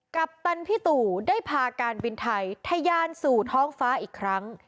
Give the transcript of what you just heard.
ปัปตันพี่ตู่ได้พาการบินไทยทะยานสู่ท้องฟ้าอีกครั้ง